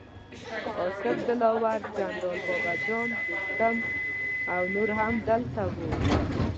اصف دلاور، جنرال بابه جان، دوستم او نور هم هلته وو.